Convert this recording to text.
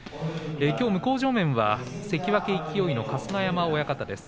きょう向正面は関脇、勢の春日山親方です。